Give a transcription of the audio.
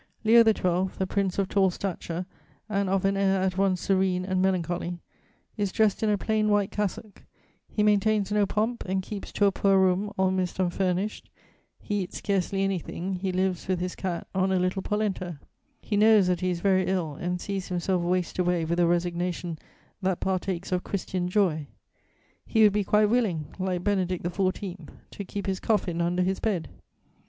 Leo XII., a prince of tall stature and of an air at once serene and melancholy, is dressed in a plain white cassock; he maintains no pomp, and keeps to a poor room, almost unfurnished. He eats scarcely anything; he lives, with his cat, on a little polenta. He knows that he is very ill and sees himself waste away with a resignation that partakes of Christian joy: he would be quite willing, like Benedict XIV., to keep his coffin under his bed.